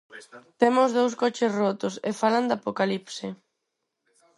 Temos dous coches rotos e falan de apocalipse.